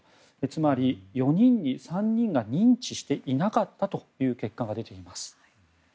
つまり、４人に３人が認知していなかったという結果が出ています。